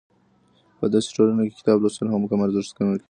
په دسې ټولنه کې کتاب لوستل کم ارزښت ګڼل کېږي.